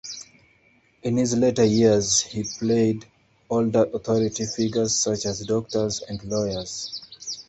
In his later years he played older authority figures, such as doctors and lawyers.